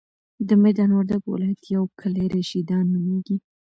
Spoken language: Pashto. د ميدان وردګو ولایت یو کلی رشیدان نوميږي.